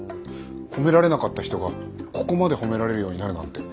褒められなかった人がここまで褒められるようになるなんて。